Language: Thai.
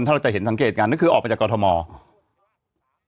ถ้าเราจะเห็นสังเกตกันคือออกไปจากกรทม